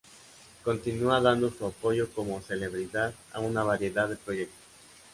Continúa dando su apoyo como celebridad a una variedad de proyectos.